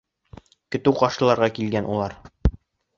Көтөү ҡаршыларға килгән улар.